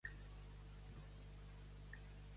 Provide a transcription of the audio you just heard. A Mequinensa, no res!